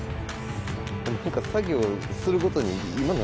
何か作業するごとに。